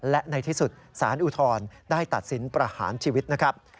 และในที่สุดสารอุทธรณ์ได้ตัดสินประหารชีวิตนะครับ